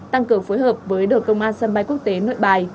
tăng cường phối hợp với đội công an sân bay quốc tế nội bài